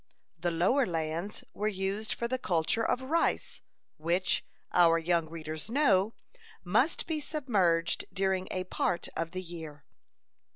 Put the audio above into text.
The lower lands were used for the culture of rice, which, our young readers know, must be submerged during a part of the year.